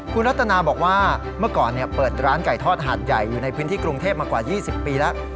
คุณรัตนาบอกว่าเมื่อก่อนเปิดร้านไก่ทอดหาดใหญ่อยู่ในพื้นที่กรุงเทพมากว่า๒๐ปีแล้ว